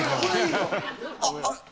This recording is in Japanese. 「あっ。